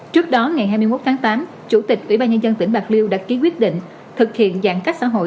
trước đó ngày hai mươi một tháng tám chủ tịch ubnd tỉnh bạc liêu đã ký quyết định thực hiện giãn cách xã hội